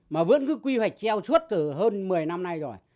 mà vẫn cứ quy hoạch treo suốt từ hơn một mươi năm nay rồi